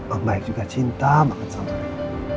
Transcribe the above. om baik juga cinta banget sama rena